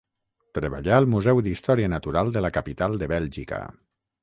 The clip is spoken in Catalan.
Treballà al Museu d'Història Natural de la capital de Bèlgica.